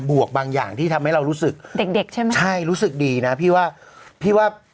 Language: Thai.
วกบางอย่างที่ทำให้เรารู้สึกเด็กเด็กใช่ไหมใช่รู้สึกดีนะพี่ว่าพี่ว่า